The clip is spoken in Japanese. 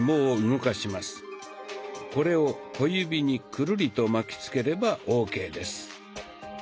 これを小指にくるりと巻きつければＯＫです。